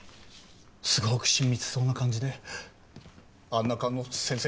すごく親密そうな感じであんな顔の先生